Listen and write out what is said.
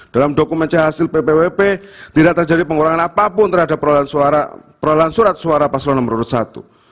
dalam dokumen c hasil ppwp tidak terjadi pengurangan apapun terhadap pengurangan suara paselan nomor urut satu